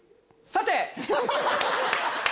さて！